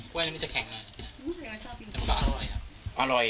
กล้วยนั้นไม่จะแข็งเลย